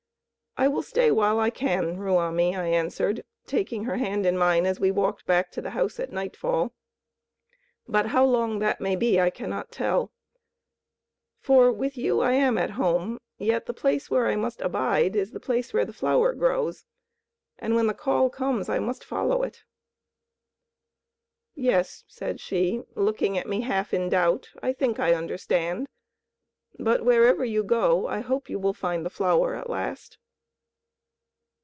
"I will stay while I can, Ruamie," I answered, taking her hand in mine as we walked back to the house at nightfall, "but how long that may be I cannot tell. For with you I am at home, yet the place where I must abide is the place where the flower grows, and when the call comes I must follow it." "Yes," said she, looking at me half in doubt, "I think I understand. But wherever you go I hope you will find the flower at last."